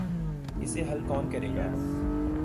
اسے حل کون کرے گا؟